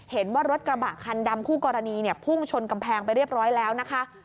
เห็นว่ารถกระบะคันดำคู่กรณีเนี่ยพุ่งชนกำแพงไปเรียบร้อยแล้วนะคะ